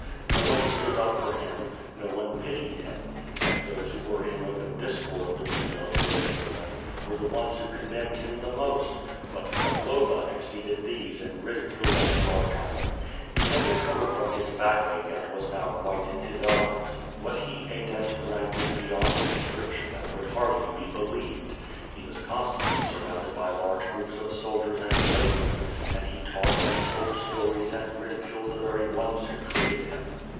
No one stood up for him, no one pitied him. And those who were in open discord with the military discipline, were the ones who condemned him the most; but Zagloba exceeded these in ridicule and sarcasm. He had re covered from his backache and was now quite in his element. What he eat and drank is beyond description and would hardly be believed. He was constantly surrounded by large groiips of soldiers and noblemen, and he talked and told stories and ridiculed the very ones who treated him.